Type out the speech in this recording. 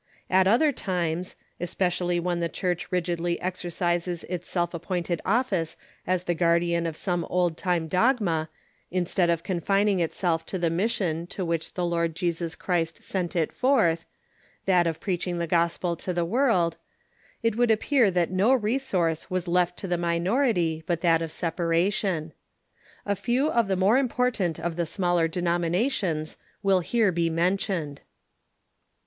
At other times — especially when 5G6 THE CIIUKCH IN THE UNITED STATES the Churcli rigidly exercises its self appointed office as the guardian of some old time dogma, instead of confining itself to the mission to which the Lord Christ sent it forth, that of preaching the gospel to the world — it Avonld appear that no I'esource was left to the minority but that of separation. A few of the more important of the smaller denominations will here be mentioned.